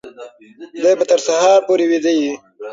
دی به تر سهاره پورې ویده وي.